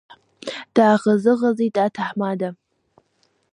Дааӷызы-ӷызит аҭаҳмада.